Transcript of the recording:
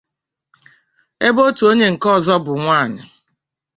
ebe otu onye nke ọzọ bụ nwaanyị.